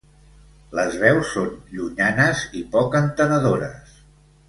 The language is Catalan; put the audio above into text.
Les veus són llunyanes i poc entenedores.